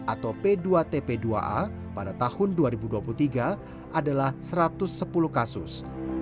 atau p dua tp dua a pada tahun dua ribu dua puluh tiga adalah satu ratus sepuluh kasus